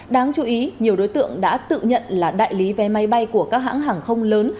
đáng chú ý nhiều đối tượng đã tự nhận là đại lý vé máy bay của các hãng hàng không lớn